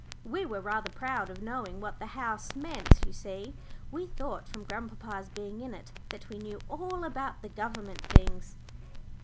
'" We were rather proud of knowing what the "House" meant, you see. We thought from grandpapa's being in it, that we knew all about the government things.